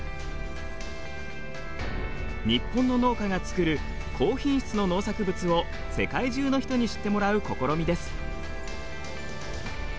日本の農家が作る高品質の農作物を世界中の人に知ってもらう試みです。